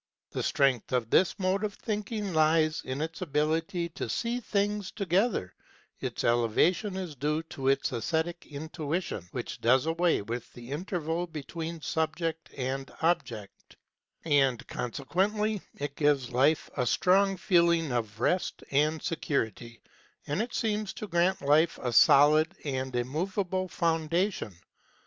The strength of this mode of thinking lies in its ability to see things together; its elevation is due to its aesthetic intuition, which does away with the interval between Subject and Object; and, consequently, it gives Life a strong feeling of rest and security, and it seems to grant Life a solid and im movable foundation.